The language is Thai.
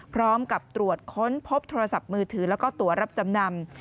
พร้อมกับตรวจค้นพบโทรศัพท์มือถือแล้วก็ตัวรับจำนำ